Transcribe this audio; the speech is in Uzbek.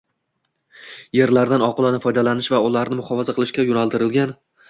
yerlardan oqilona foydalanish va ularni muhofaza qilishga yo'naltirilgan